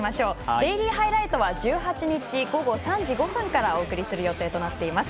「デイリーハイライト」は１８日午後３時５分からお送りする予定になっています。